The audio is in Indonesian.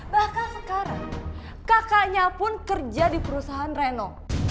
bahkan sekarang kakaknya pun kerja di perusahaan reno